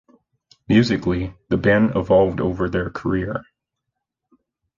Musically, the band evolved over their career.